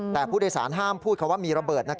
แต่ผู้โดยรษฮ่ามพูดว่ามีระเบิด